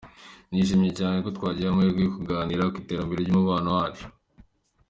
Nishimiye cyane ko twagize aya mahirwe yo kuganira ku iterambere ry’umubano wacu.